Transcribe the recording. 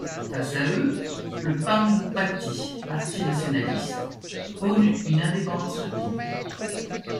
Face à eux, le Pangu Pati, parti nationaliste, prône une indépendance rapide.